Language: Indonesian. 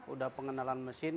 udah pengenalan mesin